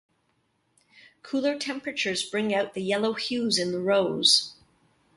Cooler temperatures bring out the yellow hues in the rose.